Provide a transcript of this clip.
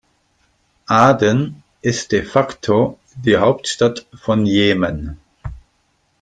Aden ist de facto die Hauptstadt von Jemen.